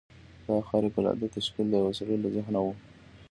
دغه خارق العاده تشکیل د یوه سړي له ذهنه و